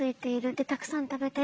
でたくさん食べたい。